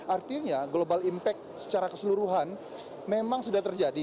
artinya global impact secara keseluruhan memang sudah terjadi